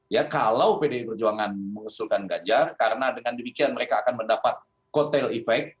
ya kalau pdi perjuangan mengusulkan ganjar karena dengan demikian mereka akan mendapat kotel efek